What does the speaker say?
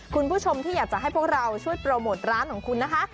คุณผู้ชมที่อยากจะให้พวกเราช่วยโปรโมทร้านของคุณนะคะ